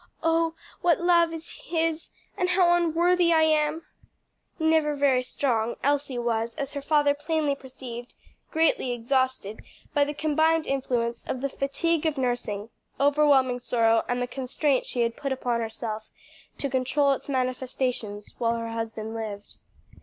"Oh what love is His! and how unworthy am I!" Never very strong, Elsie was, as her father plainly perceived, greatly exhausted by the combined influence of the fatigue of nursing, overwhelming sorrow and the constraint she had put upon herself to control its manifestations while her husband lived.